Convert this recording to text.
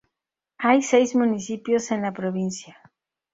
Hay seis municipios en la provincia.